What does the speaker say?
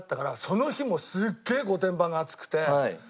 その日もすげえ御殿場が暑くて。